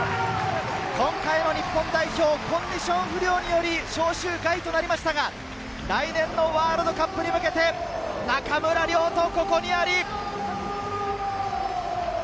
今回の日本代表はコンディション不良により招集外となりましたが、来年のワールドカップに向けて、中村亮土、ここにあり！